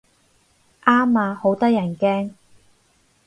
啱啊，好得人驚